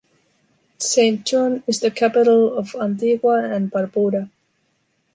St. John is the capital of Antigua and Barbuda.